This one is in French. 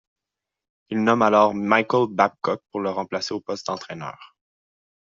Il nomme alors Michael Babcock pour le remplacer au poste d’entraîneur.